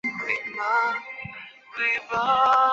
又得河南郡酸枣县。